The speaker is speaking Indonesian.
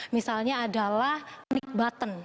misalnya adalah click button